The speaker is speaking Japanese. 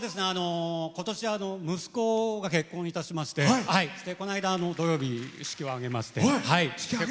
今年、息子が結婚いたしましてこの間土曜日、式を挙げまして。